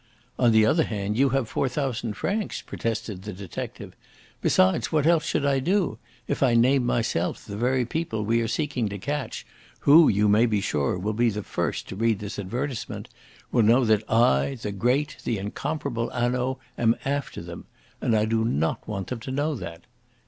"On the other hand you have four thousand francs," protested the detective. "Besides, what else should I do? If I name myself, the very people we are seeking to catch who, you may be sure, will be the first to read this advertisement will know that I, the great, the incomparable Hanaud, am after them; and I do not want them to know that.